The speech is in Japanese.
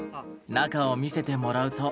中を見せてもらうと。